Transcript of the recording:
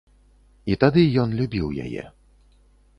І тады ён любіў яе.